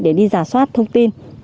để đi giả soát thông tin